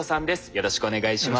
よろしくお願いします。